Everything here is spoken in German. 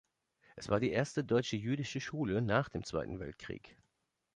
Es war die erste deutsche jüdische Schule nach dem Zweiten Weltkrieg.